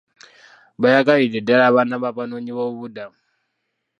Baayagalidde ddaala abaana b'abanoonyiboobubudamu.